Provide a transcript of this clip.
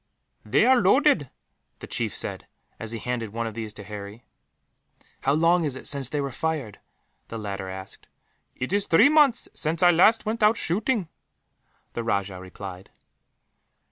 "They are loaded," the chief said, as he handed one of these to Harry. "How long is it since they were fired?" the latter asked. "It is three months since I last went out shooting," the rajah replied.